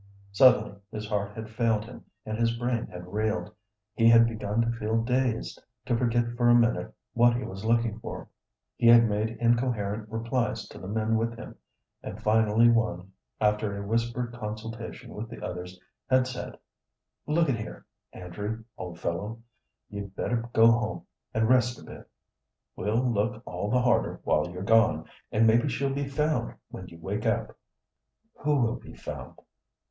Suddenly his heart had failed him and his brain had reeled. He had begun to feel dazed, to forget for a minute what he was looking for. He had made incoherent replies to the men with him, and finally one, after a whispered consultation with the others, had said: "Look at here, Andrew, old fellow; you'd better go home and rest a bit. We'll look all the harder while you're gone, and maybe she'll be found when you wake up." "Who will be found?"